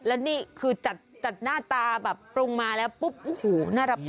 แล้วนี่คือจัดหน้าตาแบบปรุงมาแล้วปุ๊บโอ้โหน่ารับประ